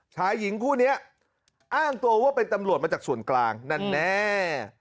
ชายหญิงคู่นี้อ้างตัวว่าเป็นตำรวจมาจากส่วนกลางแน่